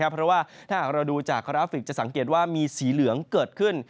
เพราะว่าถ้าหากเราดูจากกราฟิกจะสังเกตว่ามีสีเหลืองเกิดขึ้น